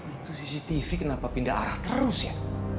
itu sisi tv kenapa pindah arah terus ya